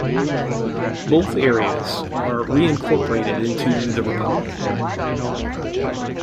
Both areas were reincorporated into the republic.